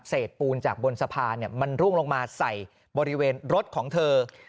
เศษปูนจากบนสะพานเนี่ยมันรุ่งลงมาใส่บริเวณรถของเธอ